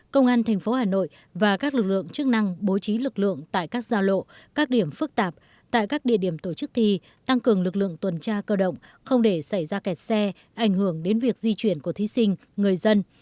công an tp hà nội và các lực lượng chức năng bố trí lực lượng tại các giao lộ các điểm phức tạp tại các địa điểm tổ chức thi tăng cường lực lượng tuần tra cơ động không để xảy ra kẹt xe ảnh hưởng đến việc di chuyển của thí sinh người dân